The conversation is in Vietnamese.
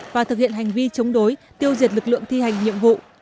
và thực hiện hành vi chống đối tiêu diệt lực lượng thi hành nhiệm vụ